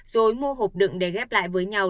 rồi mua hộp đựng để ghép lại với nhau